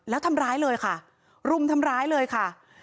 แล้วทำร้ายเลยค่ะรุมทำร้ายเลยค่ะ